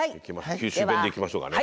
九州弁でいきましょうかね。